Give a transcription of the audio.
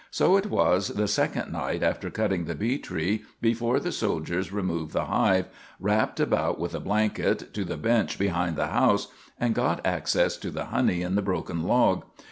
So it was the second night after cutting the bee tree before the soldiers removed the hive, wrapped about with a blanket, to the bench behind the house, and got access to the honey in the broken log.